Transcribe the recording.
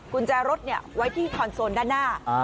กุญแจรถไว้ที่คอนโซลด้านหน้า